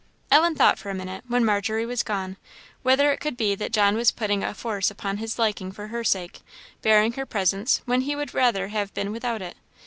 Ellen thought for a minute, when Margery was gone, whether it could be that John was putting a force upon his liking for her sake, bearing her presence when he would rather have been without it.